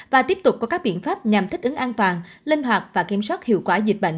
và tiếp tục có các biện pháp nhằm thích ứng an toàn linh hoạt và kiểm soát hiệu quả dịch bệnh